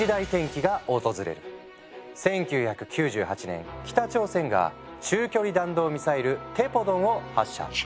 １９９８年北朝鮮が中距離弾道ミサイル「テポドン」を発射。